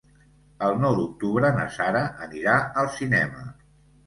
El nou d'octubre na Sara anirà al cinema.